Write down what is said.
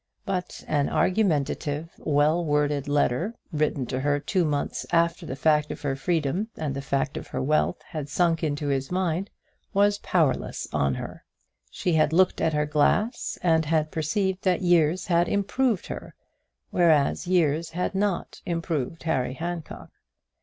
But an argumentative, well worded letter, written to her two months after the fact of her freedom and the fact of her wealth had sunk into his mind, was powerless on her. She had looked at her glass and had perceived that years had improved her, whereas years had not improved Harry Handcock.